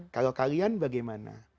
kalau kalian bagaimana